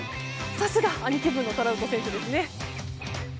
さすが、兄貴分のトラウト選手ですね。